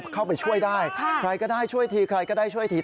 เข้าไปช่วยได้ใครก็ได้ช่วยทีใครก็ได้ช่วยที